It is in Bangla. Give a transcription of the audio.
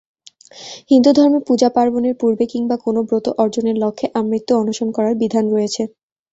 হিন্দুধর্মে পূজা-পার্বণের পূর্বে কিংবা কোনো ব্রত অর্জনের লক্ষ্যে আমৃত্যু অনশন করার বিধান রয়েছে।